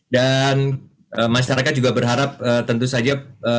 dan masyarakat juga berharap tentu saja